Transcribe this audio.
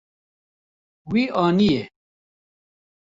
Wî aniye.